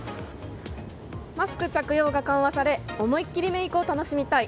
マスク着用が緩和され思い切りメイクを楽しみたい。